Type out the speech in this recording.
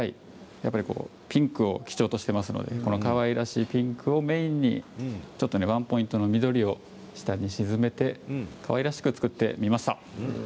ピンクを基調としていますので、かわいらしいピンクをメインにワンポイントの緑を下に沈めてかわいらしく作ってみました。